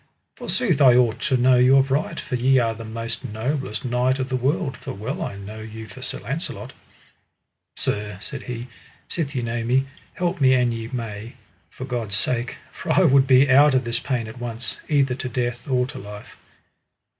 Forsooth I ought to know you of right, for ye are the most noblest knight of the world, for well I know you for Sir Launcelot. Sir, said he, sith ye know me, help me an ye may, for God's sake, for I would be out of this pain at once, either to death or to life.